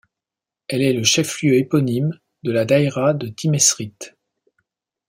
Elle est le chef-lieu éponyme de la daïra de Timezrit.